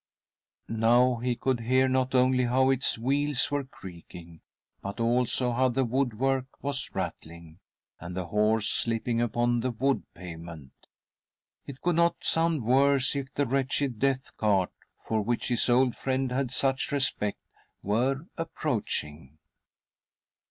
Now he could hear not only how its Wheels were creaking, but also how the wood work was rattling, and the horse slipping upon the wood pavement. It could not sound worse if the wretched death cart — for which his old friend had such respect — were approaching.